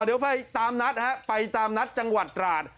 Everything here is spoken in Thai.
เดี๋ยวไปตามนัดฮะไปตามนัดจังหวัดตราด